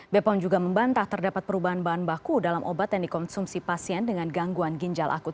bepom juga membantah terdapat perubahan bahan baku dalam obat yang dikonsumsi pasien dengan gangguan ginjal akut